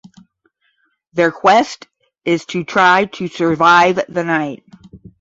Their quest is to try to survive the night.